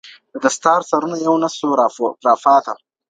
د دستار سرونه یو نه سو را پاته.